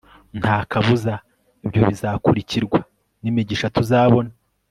nta kabuza ibyo bizakurikirwa n'imigisha tuzabona